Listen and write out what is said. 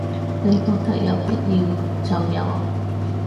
你覺得有必要就有